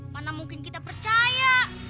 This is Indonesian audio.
mana mungkin kita percaya